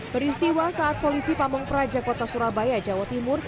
peristiwa saat polisi pamung praja kota surabaya jawa timur